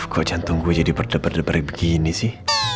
kok jantung gue jadi berdebar debar begini sih